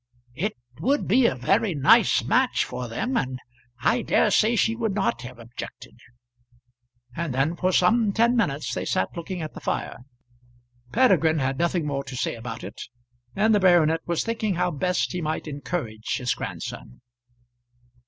"It would be a very nice match for them, and I dare say she would not have objected." And then for some ten minutes they sat looking at the fire. Peregrine had nothing more to say about it, and the baronet was thinking how best he might encourage his grandson.